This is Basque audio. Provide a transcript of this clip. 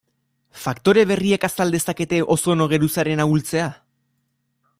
Faktore berriek azal dezakete ozono geruzaren ahultzea?